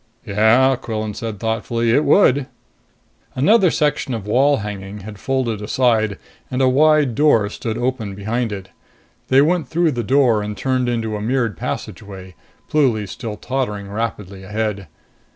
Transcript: "Yeah," Quillan said thoughtfully. "It would." Another section of wall hanging had folded aside, and a wide door stood open behind it. They went through the door and turned into a mirrored passageway, Pluly still tottering rapidly ahead.